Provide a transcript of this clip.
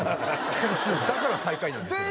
点数だから最下位なんですよ